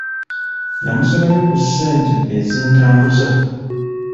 Nnamusabayo ku ssente ezintambuza.